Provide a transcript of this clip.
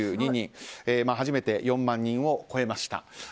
初めて４万人を超えました。